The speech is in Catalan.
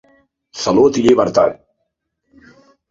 Salut i llibertat!